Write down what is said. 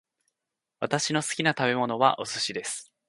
私の好きな食べ物はお寿司です